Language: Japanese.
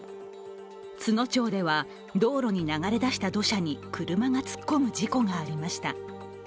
津野町では、道路に流れ出した土砂に車が突っ込む事故がありました。